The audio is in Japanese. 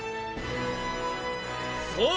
そう！